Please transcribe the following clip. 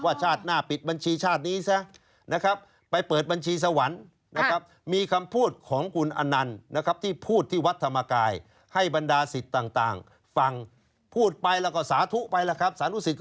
ว่าชาติหน้าปิดบัญชีชาตินี้ซะนะครับ